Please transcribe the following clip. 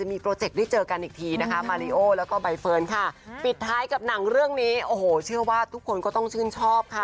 อีกทีนะคะแล้วก็ค่ะปิดท้ายกับหนังเรื่องนี้โอ้โหเชื่อว่าทุกคนก็ต้องชื่นชอบค่ะ